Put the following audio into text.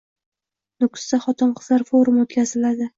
Nukusda xotin-qizlar forumi o‘tkazildi